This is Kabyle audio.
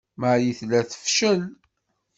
Marie tella tefcel.